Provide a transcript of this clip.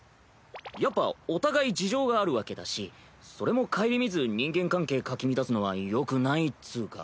やっぱお互い事情があるわけだしそれも顧みず人間関係かき乱すのはよくないっつぅか。